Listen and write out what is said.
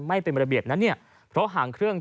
ให้เป็นประเบียบนั้นเพราะหางเครื่อง